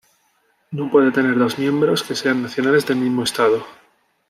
No puede tener dos miembros que sean nacionales del mismo Estado.